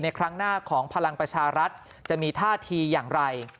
ครั้งหน้าของพลังประชารัฐจะมีท่าทีอย่างไร